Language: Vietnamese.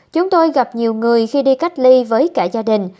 chúng tôi gặp nhiều người khi đi cách ly với cả gia đình